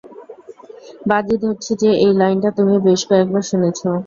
বাজি ধরছি যে এই লাইনটা তুমি বেশ কয়েক বার শুনেছ।